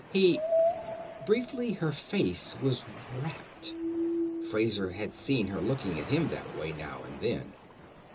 "He " Briefly, her face was rapt. Fraser had seen her looking at him that way, now and then.